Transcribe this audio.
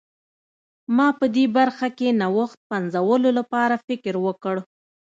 ما په دې برخه کې نوښت پنځولو لپاره فکر وکړ.